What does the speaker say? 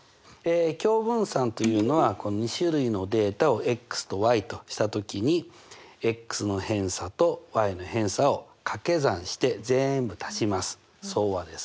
共分散というのは２種類のデータをとの偏差との偏差を掛け算してぜん総和です。